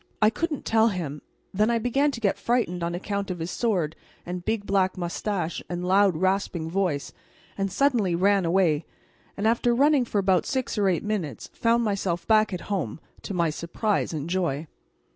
I couldn't tell him; then I began to get frightened on account of his sword and big black moustache and loud rasping voice, and suddenly ran away, and after running for about six or eight minutes found myself back at home, to my surprise and joy.